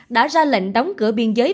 đã ra lệnh đóng cửa biên giới